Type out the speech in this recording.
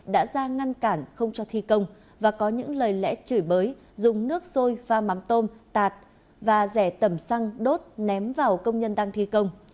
đã ra ngăn cản không cho thi công và có những lời lẽ chửi bới dùng nước sôi pha mắm tôm tạt và rẻ tẩm xăng đốt ném vào công nhân đang thi công